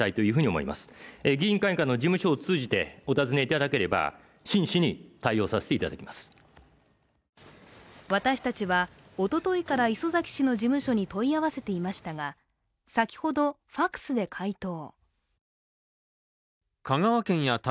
磯崎氏の回答は私たちは、おとといから磯崎氏の事務所に問い合わせていましたが先ほどファクスで回答。